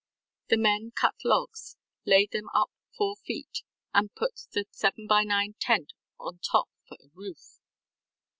ŌĆØ The men cut logs, laid them up four feet and put the 7 by 9 tent on top for a roof.